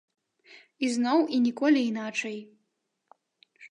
Ізноў і ніколі іначай.